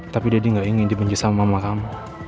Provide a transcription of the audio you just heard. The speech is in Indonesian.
tapi deddy gak ingin dibenci sama mama kamu